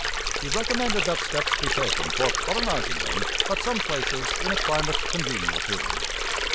He recommended that steps be taken for colonizing them at some places in a climate congenial to them.